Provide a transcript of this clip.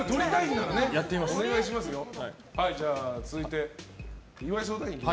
じゃあ、続いて岩井相談員。